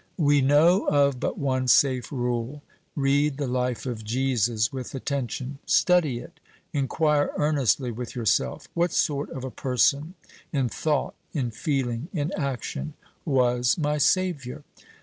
We know of but one safe rule: read the life of Jesus with attention study it inquire earnestly with yourself, "What sort of a person, in thought, in feeling, in action, was my Savior?"